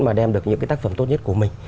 mà đem được những cái tác phẩm tốt nhất của mình